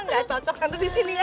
nggak cocok tante di sini ya